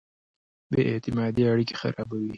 بې اعتمادۍ اړیکې خرابوي.